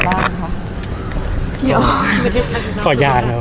ภาษาสนิทยาลัยสุดท้าย